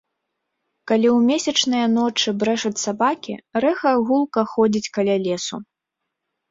Калі ў месячныя ночы брэшуць сабакі, рэха гулка ходзіць каля лесу.